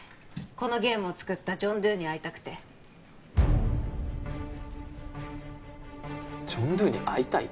このゲームを作ったジョン・ドゥに会いたくてジョン・ドゥに会いたい？